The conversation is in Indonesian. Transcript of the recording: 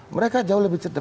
mereka jauh lebih cerdas